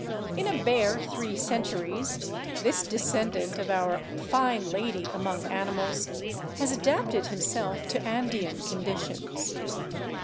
In a bare three centuries this descendent of our " fine lady among animals " has adapted himself to Andean conditions.